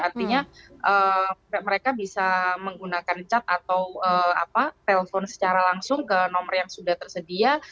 artinya mereka bisa menggunakan cat atau telpon secara langsung ke nomor yang sudah tersedia